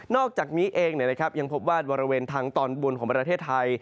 อกจากนี้เองยังพบว่าบริเวณทางตอนบนของประเทศไทย